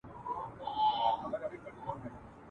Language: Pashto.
له دریمه چي بېغمه دوه یاران سول !.